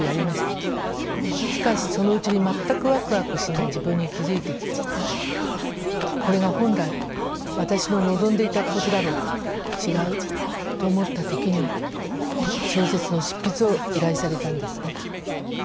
しかしそのうちに全くわくわくしない自分に気付いてきて「これが本来私の望んでいたことだろうか違う！」と思った時に小説の執筆を依頼されたんですね。